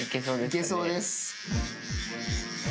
いけそうです。